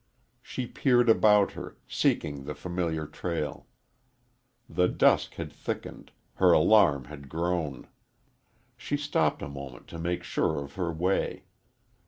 She peered about her, seeking the familiar trail. The dusk had thickened her alarm had grown. She stopped a moment to make sure of her way.